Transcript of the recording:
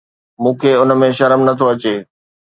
مون کي ان ۾ شرم نه ٿو اچي